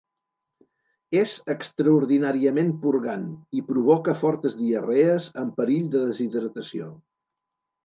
És extraordinàriament purgant i provoca fortes diarrees amb perill de deshidratació.